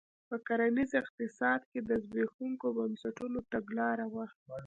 په کرنیز اقتصاد کې د زبېښونکو بنسټونو تګلاره وه.